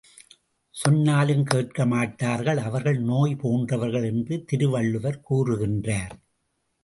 சொன்னாலும் கேட்கமாட்டார்கள், அவர்கள் நோய் போன்றவர்கள் என்று திருவள்ளுவர் கூறுகின்றார்.